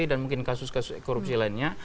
dan mungkin kasus kasus korupsi lainnya